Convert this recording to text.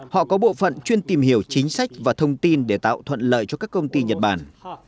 họ có bộ phận chuyên tìm hiểu chính sách và thông tin để tạo thuận lợi cho các công ty nhật bản